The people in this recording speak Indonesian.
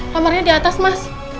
kamarnya di atas mas